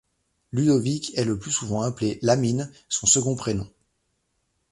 Ludovic est le plus souvent appelé Lamine, son second prénom.